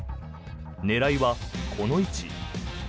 狙いはこの位置。